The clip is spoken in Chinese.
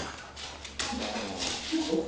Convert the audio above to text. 莱兹河畔莱扎人口变化图示